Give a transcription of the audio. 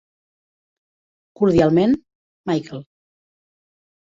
Cordialment, Michael.